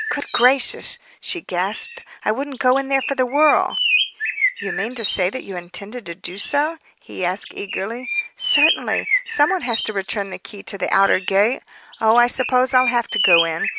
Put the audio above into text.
"Good gracious!" she gasped. "I wouldn't go in there for the world." "Do you mean to say that you intended to do so?" he asked eagerly. "Certainly. Someone has to return the key to the outer gate. Oh, I suppose I'll have to go in.